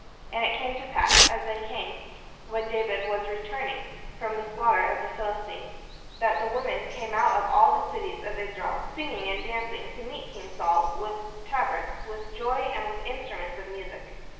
And it came to pass as they came, when David was returned from the 552 I THE SHEPHERD BOY WHO BECAME KING slaughter of the Philistine, that the women came out of all cities of Israel, singing and dancing, to meet king Saul, with tabrets, with joy, and with instruments of music.